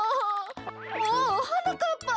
おおはなかっぱ。